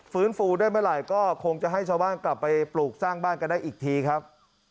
ฟื้นฟูได้เมื่อไหร่ก็คงจะให้ชาวบ้านกลับไปปลูกสร้างบ้านกันได้อีกทีครับ